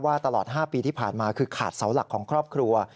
ตลอด๕ปีที่ผ่านมาคือขาดเสาหลักของครอบครัว